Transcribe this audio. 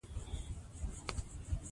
د مېلو خوند د ملګرو سره يي.